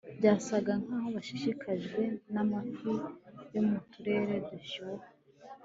Byasaga nkaho bashishikajwe namafi yo mu turere dushyuha